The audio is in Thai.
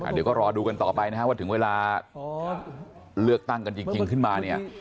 เดี๋ยวก็รอดูกันต่อไปนะครับว่าถึงเวลาเลือกตั้งกันจริงขึ้นมาเนี่ย